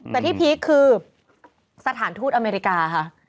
แต่ที่พีคคือสถานทูตอเมริกาค่ะ